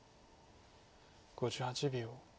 ５８秒。